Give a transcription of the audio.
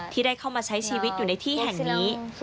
ที่ได้เข้ามาใช้ชีวิตอยู่ในที่แห่งนี้